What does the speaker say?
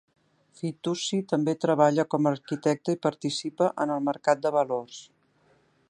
Fitoussi també treballa com a arquitecte i participa en el mercat de valors.